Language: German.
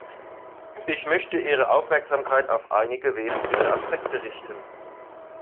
Ich möchte Ihre Aufmerksamkeit auf einige wesentliche Aspekte richten.